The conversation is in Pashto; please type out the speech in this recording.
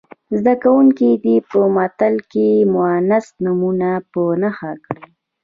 زده کوونکي دې په متن کې مونث نومونه په نښه کړي.